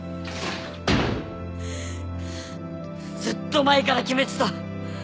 ずっと前から決めてた。